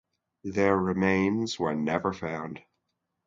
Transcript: Their remains were never found.